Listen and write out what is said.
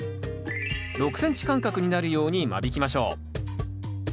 ６ｃｍ間隔になるように間引きましょう。